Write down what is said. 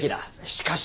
しかし。